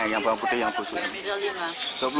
yang bawang putih yang busuk